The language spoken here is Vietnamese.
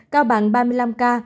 cao bằng ba mươi năm ca